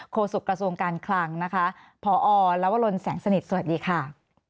โศกระทรวงการคลังนะคะพอลวลแสงสนิทสวัสดีค่ะ